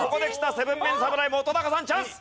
７ＭＥＮ侍本さんチャンス！